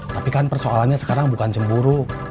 tapi kan persoalannya sekarang bukan cemburu